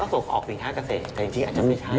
ก็ส่งออกสินค้ากเศษแต่ที่อาจจะเป็นสินค้ากเศษ